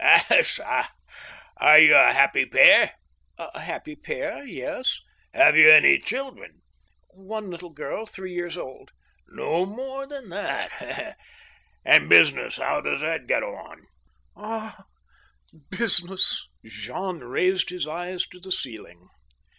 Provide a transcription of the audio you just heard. A/t / fa, are you a happy pair ?"" A happy pair, ... yes." *' Have you any children ?"" One little girl, three years old." " No more than that ? And business — how does that get on ?"" Ah ! business !" Jean raised his eyes to the ceiling.